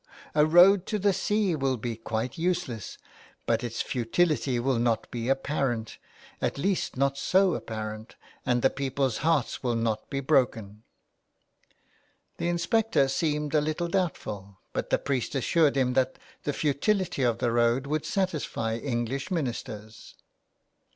A road to the sea will be quite useless ; but its futility will not be apparent — at least, not so apparent — and the people's hearts will not be broken." The inspector seemed a little doubtful, but the priest assured him that the futility of the road would satisfy English ministers. 1 88 A LETTER TO ROME.